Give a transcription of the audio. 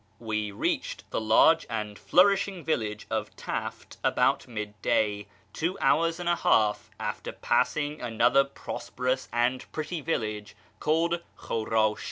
" We reached the large and flourishing village of Taft about mid day, two hours and a half after passing another prosperous and pretty village called Khurash^.